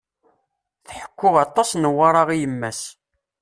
Tḥekku aṭas Newwara i yemma-s.